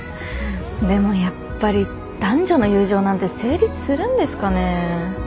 でもやっぱり男女の友情なんて成立するんですかね？